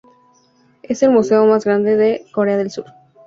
Es el museo más grande de Corea del Sur.